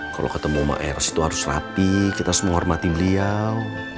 kalo ketemu maers itu harus rapi kita harus menghormati beliau